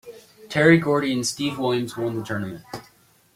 Terry Gordy and Steve Williams won the tournament.